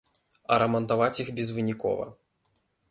А рамантаваць іх безвынікова.